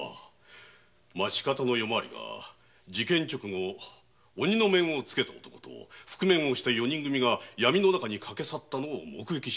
町方の夜回りが事件直後鬼の面をつけた男と覆面の四人組が闇の中に駆け去ったのを目撃しておりますが。